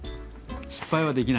失敗はできないんです。